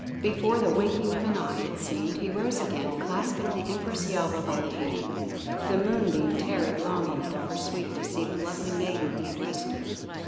Before the winking of an eye, it seemed, he rose again, clasping the Empress Yelva by the hand. The moonbeam tarried long enough for Sweep to see the lovely maiden he had rescued.